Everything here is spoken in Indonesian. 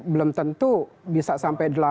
belum tentu bisa sampai